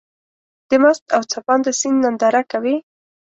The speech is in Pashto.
د مست او څپانده سيند ننداره کوې.